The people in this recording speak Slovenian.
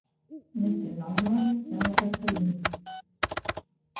Niti najmanj se ne veselim.